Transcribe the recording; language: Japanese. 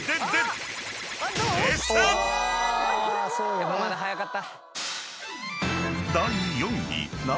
やっぱまだ早かった。